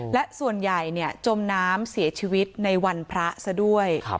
และส่วนใหญ่จมน้ำเสียชีวิตในวันพระซะด้วย